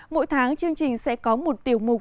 mỗi tháng chương trình sẽ có một tiểu mục